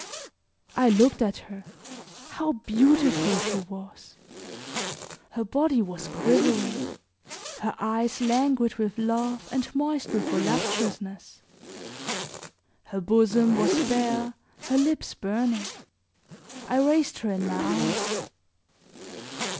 I looked at her; how beautiful she was! Her body was quivering; her eyes languid with love and moist with voluptuousness; her bosom was bare, her lips burning. I raised her in my arms.